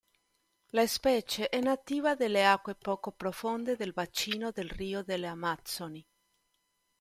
La specie è nativa delle acque poco profonde del bacino del Rio delle Amazzoni.